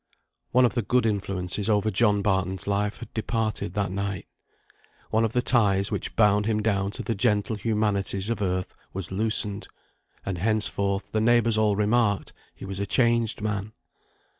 One of the good influences over John Barton's life had departed that night. One of the ties which bound him down to the gentle humanities of earth was loosened, and henceforward the neighbours all remarked he was a changed man.